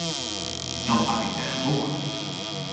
Dan pak ik wer in boek.